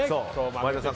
前田さん